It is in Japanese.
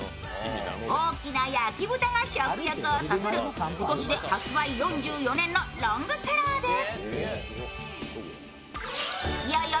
大きな焼き豚が食欲をそそる今年で発売４４年のロングセラーです。